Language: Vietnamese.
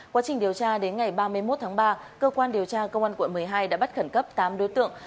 quá trình điều tra đến ngày ba mươi một tháng ba cơ quan điều tra công an quận một mươi hai đã bắt khẩn cấp tám đối tượng